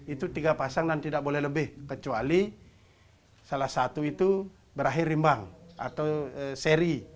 itu tiga pasang dan tidak boleh lebih kecuali salah satu itu berakhir rimbang atau seri